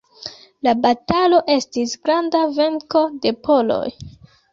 La batalo estis granda venko de poloj.